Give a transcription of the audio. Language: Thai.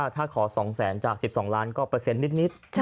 ถ้าขอ๒แสนจาก๑๒ล้านก็เปอร์เซ็นต์นิด